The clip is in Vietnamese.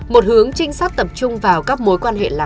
một hướng trinh sát tập trung vào các mối quan hệ làm ăn với chị sinh